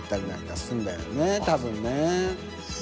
多分ね。